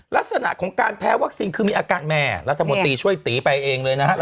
ลักษณะของการแพ้วัคซีนคือมีอาการแม่รัฐมนตรีช่วยตีไปเองเลยนะครับ